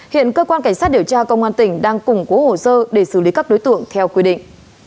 hiện cơ quan cảnh sát điều tra công an tỉnh đang củng cố hồ sơ để xử lý các đối tượng theo quy định